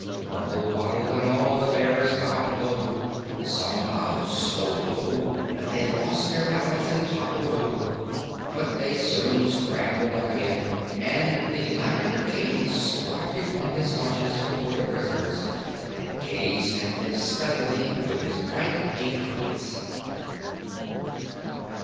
Corporal Waddle, and all the bears bowed low. Some bowed so low that they lost their balance and toppled over, but they soon scrambled up again, and the Lavender King squatted on his haunches before the prisoners and gazed at them steadily with his bright, pink eyes.